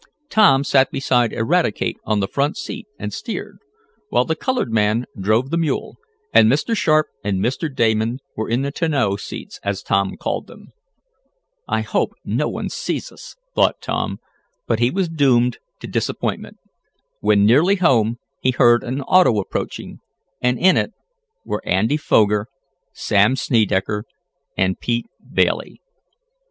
Tom sat beside Eradicate on the front seat, and steered, while the colored man drove the mule, and Mr. Sharp and Mr. Damon were in the "tonneau" seats as Tom called them. "I hope no one sees us," thought Tom, but he was doomed to disappointment. When nearly home he heard an auto approaching, and in it were Andy Foger, Sam Snedecker and Pete Bailey.